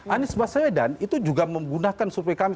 anies baswedan itu juga menggunakan survei kami